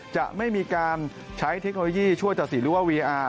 จะไม่มีการใช้เทคโนโลยีช่วยตัดสินหรือว่าวีอาร์